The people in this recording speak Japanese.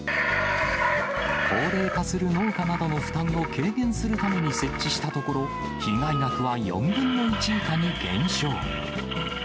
高齢化する農家などの負担を軽減するために設置したところ、被害額は４分の１以下に減少。